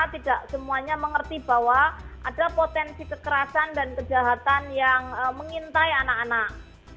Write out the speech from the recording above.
tidak semuanya mengerti bahwa ada potensi kekerasan dan kejahatan yang mengintai anak anak